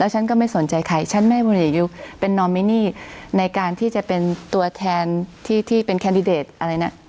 ฉันก็ไม่สนใจใครฉันไม่พลเอกยุคเป็นนอมินีในการที่จะเป็นตัวแทนที่เป็นแคนดิเดตอะไรนะ